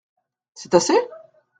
C’est assez ?